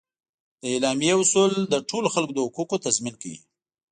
د اعلامیه اصول د ټولو خلکو د حقوقو تضمین کوي.